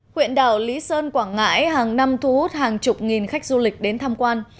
huyện đảo lý sơn quảng ngãi hàng năm thu hút hàng chục nghìn khách du lịch đến tham quan